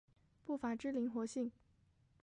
步法之灵活性。